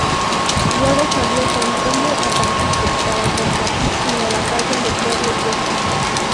Luego salió con rumbo a Tampico para combatir en la batalla de Pueblo Viejo.